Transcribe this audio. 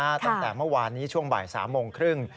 ตั้งแต่เมื่อวานนี้ช่วงบ่าย๓โมงครึ่ง